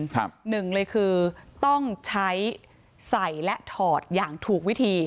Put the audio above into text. หนึ่งเลยคือต้องใช้ใส่และถอดอย่างถูกวิธี